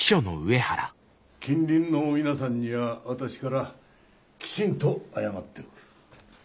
近隣の皆さんには私からきちんと謝っておく。